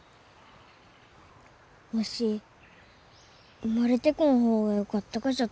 わし生まれてこん方がよかったがじゃと。